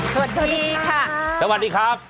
สวัสดีค่ะสวัสดีครับ